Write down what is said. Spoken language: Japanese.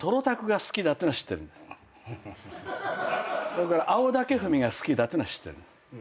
それから青竹踏みが好きだっていうのは知ってる。